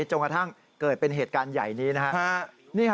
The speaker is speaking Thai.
จนกระทั่งเกิดเป็นเหตุการณ์ใหญ่นี้นะฮะ